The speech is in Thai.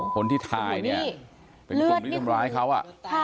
คนที่ไทยเนี่ยเป็นคนที่ทำร้ายเขาอ่ะ